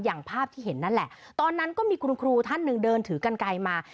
อย่างภาพที่เห็นนั่นแหละตอนนั้นก็มีคุณครูท่านหนึ่งเดินถือกันไกลมา